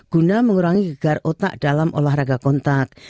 guna mengurangi gegar otak dalam olahraga kontak